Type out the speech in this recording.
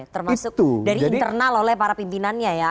termasuk dari internal oleh para pimpinannya ya